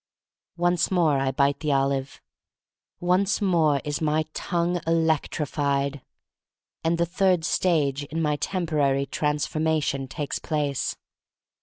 Once more I bite the olive. Once more is my tongue electrified. And the third stage in my temporary trans formation takes place.